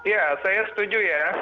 ya saya setuju ya